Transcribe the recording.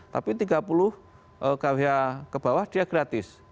tapi tiga puluh kwh ke bawah dia gratis